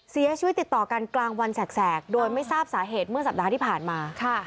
เสียชีวิตติดต่อกันกลางวันแสกโดยไม่ทราบสาเหตุเมื่อสัปดาห์ที่ผ่านมา